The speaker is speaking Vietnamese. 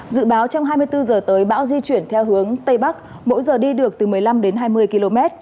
dự báo trong hai mươi bốn h tới bão di chuyển theo hướng tây bắc mỗi giờ đi được từ một mươi năm đến hai mươi km